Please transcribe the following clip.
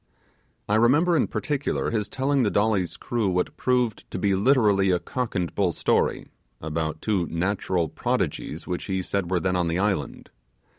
I remember in particular his telling the Dolly's crew what proved to be literally a cock and bull story, about two natural prodigies which he said were then on the island.